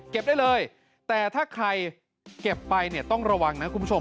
เก็บได้เลยแต่ถ้าใครเก็บไปต้องระวังนะคุณผู้ชม